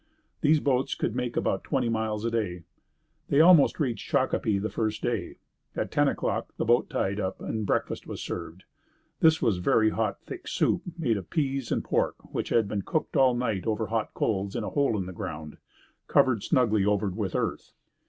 These boats could make about twenty miles a day. They almost reached Shakopee the first day. At ten o'clock the boat tied up and breakfast was served. This was a very hot, thick soup made of peas and pork which had been cooked all night over hot coals in a hole in the ground, covered snugly over with earth.